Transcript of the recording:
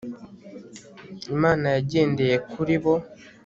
imana yagendeye kuri bo